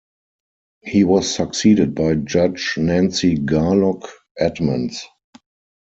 He was succeeded by Judge Nancy Garlock Edmunds.